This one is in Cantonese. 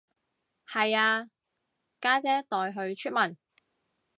係啊，家姐代佢出文